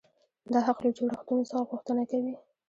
دا حق له جوړښتونو څخه غوښتنه کوي.